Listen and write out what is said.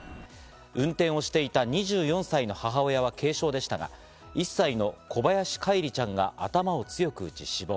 運転をしていた２４歳の母親は軽傷でしたが１歳の小林叶一里ちゃんが頭を強く打ち死亡。